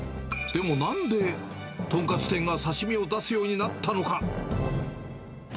でもなんで豚カツ店が刺身を出すようになったのか。